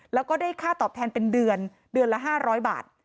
แล้วก็ได้ค่าตอบแทนเป็นเดือนเดือนละ๕๐๐บาท